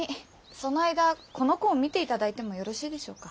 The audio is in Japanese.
その間この子を見ていただいてもよろしいでしょうか？